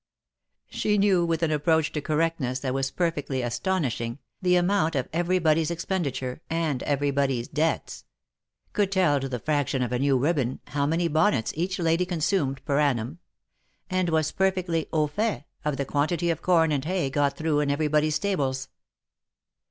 She knew, with an approach to cor rectness that was perfectly astonishing, the amount of every body's expenditure, and every body's debts ; could tell to the fraction of a new ribbon, how many bonnets each lady consumed per annum ; and was perfectly au fait of the quantity of corn and hay got through in every body's stables.